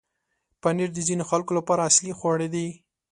پنېر د ځینو خلکو لپاره اصلي خواړه دی.